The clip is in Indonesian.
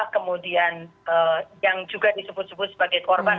kemudian yang juga disebut sebut sebagai korban